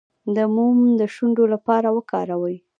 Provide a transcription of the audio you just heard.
د موم د شونډو لپاره وکاروئ